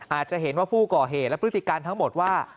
อาจจะเห็นว่าผู้ก่อเหตุและพฤติการทั้งหมดว่า